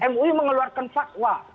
mui mengeluarkan fakwa